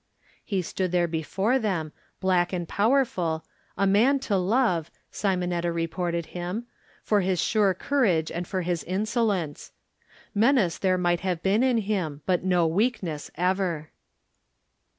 He stood there before them, black and powerful, a man to love, Simonetta reported him, for his sure courage and for his inso lence. Menace there might have been in him, but no weakness ever.